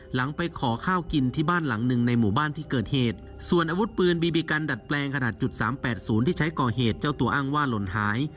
หลังไปขอข้าวกินที่บ้านหลังหนึ่งในหมู่บ้านที่เกิดเหตุส่วนอาวุธปืนบีบีกันดัดแปลงขนาดจุดสามแปดศูนย์ที่ใช้ก่อเหตุเจ้าตัวอ้างว่าหล่นหาย